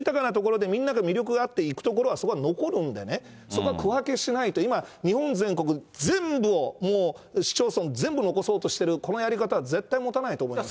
自然豊かな所でみんなが魅力があって行くところはすごい残るんでね、そこは区分けしないと、今、日本全国、全部をもう市町村全部残そうとしてる、このやり方は絶対持たないと思います。